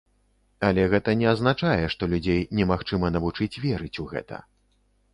Але гэта не азначае, што людзей немагчыма навучыць верыць у гэта.